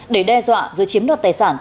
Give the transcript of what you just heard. để đe dọa dưới chiếm đoạt tài sản